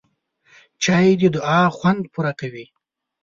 چای د دعا خوند پوره کوي